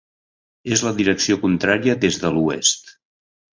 És la direcció contrària des de l'oest.